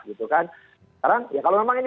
sekarang kalau memang ini